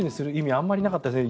あまりなかったですね。